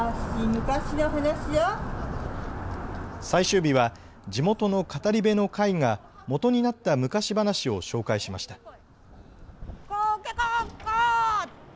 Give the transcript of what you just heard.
最終日は地元の語り部の会がもとになった昔話を紹介しました。